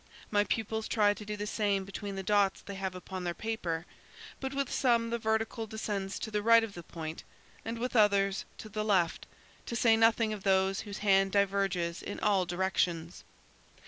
My pupils try to do the same between the dots they have upon their paper, but with some the vertical descends to the right of the point and with others, to the left, to say nothing of those whose hand diverges in all directions.